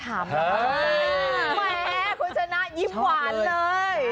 แหมคุณชนะยิ้มหวานเลย